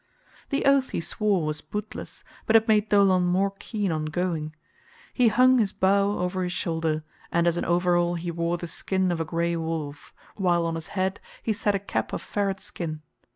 The oath he swore was bootless, but it made Dolon more keen on going. He hung his bow over his shoulder, and as an overall he wore the skin of a grey wolf, while on his head he set a cap of ferret skin.